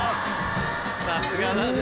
さすがだぜ。